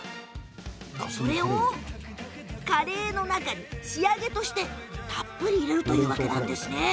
それをカレーの中に仕上げとしてたっぷり入れるんですね。